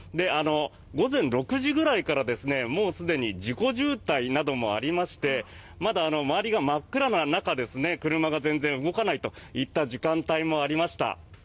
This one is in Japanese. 午前６時ぐらいからすでに事故渋滞などもありましてまだ周りが真っ暗な中車が全然動かないといった時間帯もありました。